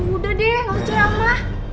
udah deh gak usah cerama